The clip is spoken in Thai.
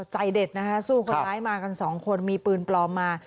ใจเด็ดนะคะสู้คนร้ายมากันสองคนมีปืนปลอมมา